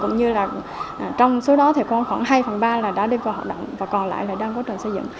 cũng như là trong số đó thì khoảng hai phần ba là đã đi vào hợp đoạn và còn lại là đang quá trình xây dựng